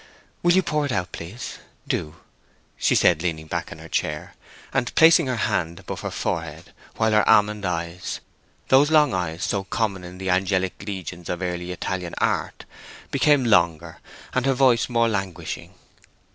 "Will you pour it out, please? Do," she said, leaning back in her chair, and placing her hand above her forehead, while her almond eyes—those long eyes so common to the angelic legions of early Italian art—became longer, and her voice more languishing.